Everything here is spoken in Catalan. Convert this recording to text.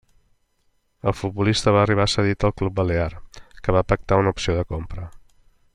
El futbolista va arribar cedit al club balear, que va pactar una opció de compra.